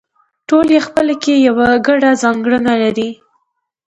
ټول یې خپله کې یوه ګډه ځانګړنه لري